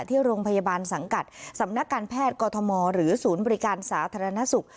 ที่โรงพยาบาลสังกัดสำนักการแพทย์กอทมหรือศูนย์บริการสาธารณสุข